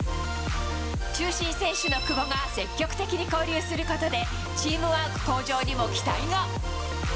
中心選手の久保が積極的に交流することで、チームワーク向上にも期待が。